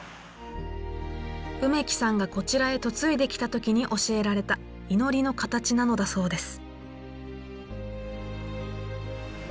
梅木さんがこちらへ嫁いできた時に教えられた祈りの形なのだそうです。